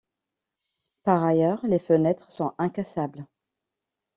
Par ailleurs, les fenêtres sont incassables.